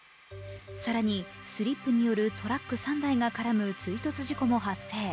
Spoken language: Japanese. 更にスリップによるトラック３台が絡む追突事故も発生。